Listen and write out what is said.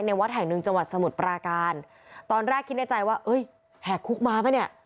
วัดแห่งหนึ่งจังหวัดสมุทรปราการตอนแรกคิดในใจว่าเอ้ยแหกคุกมาป่ะเนี่ย